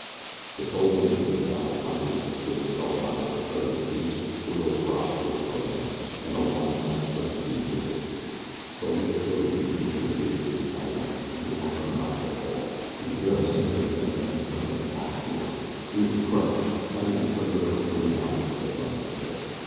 The sole witness to this battle primeval stood spellbound at the sight of the fierce, brutal ferocity of the white man, and the lion like strength he exhibited. Slowly but surely he was beating the face of his antagonist into an unrecognizable pulp with his bare hands he had met and was killing an armed warrior. It was incredible! Not even Theriere or Billy Mallory could have done such a thing.